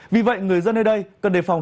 vì vậy người dân nơi đây cần đề phòng